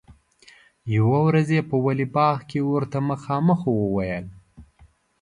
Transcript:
یوه ورځ یې په ولي باغ کې ورته مخامخ وویل.